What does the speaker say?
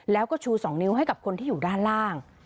แล้วก็ชู๒นิ้วให้กับคนที่อยู่ด้านล่าง